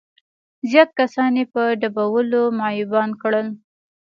زيات کسان يې په ډبولو معيوبان کړل.